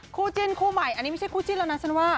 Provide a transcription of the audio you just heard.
คู่จิ้นคู่ใหม่อันนี้ไม่ใช่คู่จิ้นแล้วนะฉันว่า